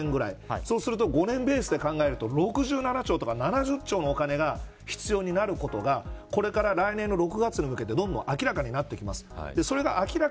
そうすると５年ベースで考えると６７兆とか７０兆のお金が必要になることがこれから来年の６月に向けてどんどん明らかになってきます。